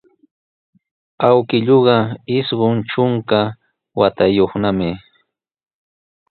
Awkilluuqa isqun trunka watayuqnami.